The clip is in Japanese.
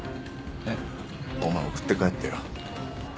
えっ？お前送って帰ってよ。